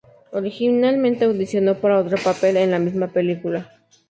Originalmente audicionó para otro papel en la misma película.